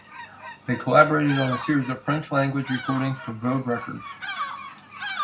They collaborated on a series of French language recordings for Vogue Records.